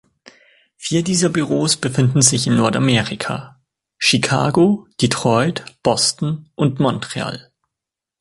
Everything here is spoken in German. Vier dieser Büros befinden sich in Nordamerika: Chicago, Detroit, Boston und Montreal.